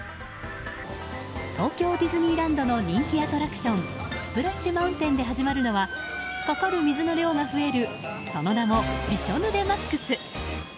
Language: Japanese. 東京ディズニーランドの人気アトラクションスプラッシュ・マウンテンで始まるのはかかる水の量が増えるその名もびしょ濡れＭＡＸ。